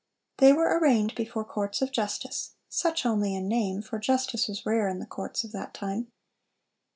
They were arraigned before courts of justice—such only in name, for justice was rare in the courts of that time.